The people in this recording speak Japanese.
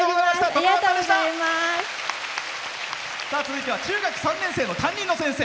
続いては中学３年生の担任の先生。